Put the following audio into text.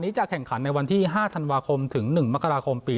นี้จะแข่งขันในวันที่ห้าธันวาคมถึงหนึ่งมกราคมปี